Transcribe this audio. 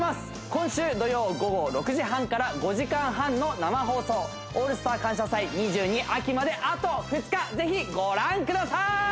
今週土曜午後６時半から５時間半の生放送「オールスター感謝祭’２２秋」まであと２日ぜひご覧くださーい！